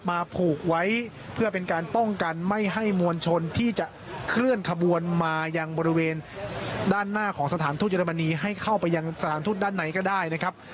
ผูกไว้เพื่อเป็นการป้องกันไม่ให้มวลชนที่จะเคลื่อนขบวนมายังบริเวณด้านหน้าของสถานทูตเรมนีให้เข้าไปยังสถานทูตด้านในก็ได้นะครับ